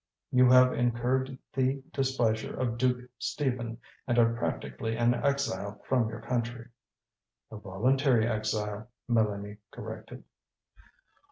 You have incurred the displeasure of Duke Stephen and are practically an exile from your country." "A voluntary exile," Mélanie corrected.